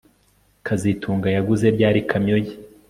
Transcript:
kazitunga yaguze ryari ikamyo ye